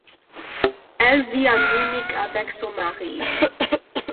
Elle vit à Munich avec son mari.